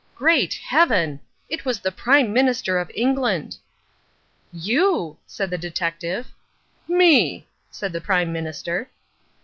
Great Heaven! It was the Prime Minister of England. "You!" said the detective. "Me," said the Prime Minister.